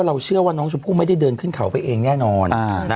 เราเชื่อว่าน้องทรูปุ๊บไม่ได้เดินขึ้นเข่าไปเองแน่นอน